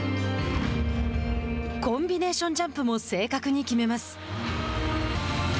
コンビネーションジャンプも正確に決めます。